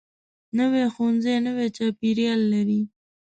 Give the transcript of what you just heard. نوی ښوونځی نوی چاپیریال لري